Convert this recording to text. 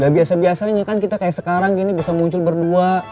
ya biasa biasanya kan kita kayak sekarang gini bisa muncul berdua